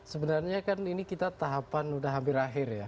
sebenarnya kan ini kita tahapan sudah hampir akhir ya